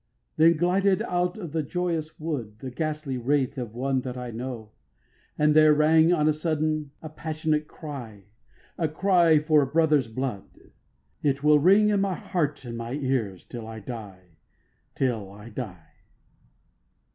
Then glided out of the joyous wood The ghastly Wraith of one that I know; And there rang on a sudden a passionate cry, A cry for a brother's blood: It will ring in my heart and my ears, till I die, till I die.